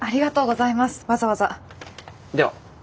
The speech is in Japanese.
では。